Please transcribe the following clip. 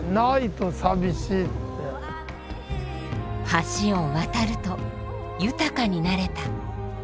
橋を渡ると豊かになれた。